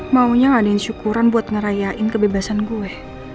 maunya ngadain syukuran buat ngerayain kebebasan gue